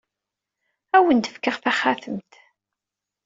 Ad awent-d-fkeɣ taxatemt.